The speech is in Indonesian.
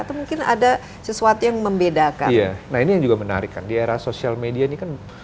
atau mungkin ada sesuatu yang membedakan